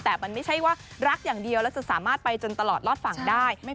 แต่มันไม่ใช่ว่ารักอย่างเดียวแล้วจะสามารถไปจนตลอดรอดฝั่งได้